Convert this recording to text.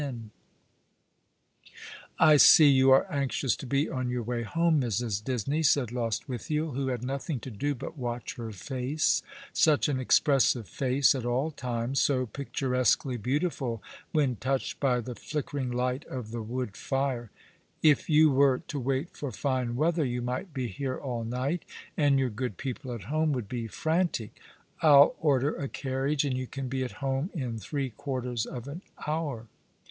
12 All along the River, "I see you are anxious to be on your way home, Mrs. Disney/' said Lostwithiel, wlio had nothing to do but watch her face, such an expressive face at all times, so picturesquely beautiful when touched by the flickering light of the wood fire. " If you were to wait for fine weather you might be here all night, and your good people at home would be frantic. I'll order a carriage, and you can be at home in three quarters of an hour."